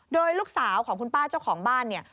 โดยลูกสาวของคุณป้าเจ้าของบ้านเนี่ย